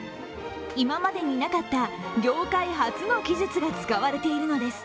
今までになかった業界初の技術が使われているのです。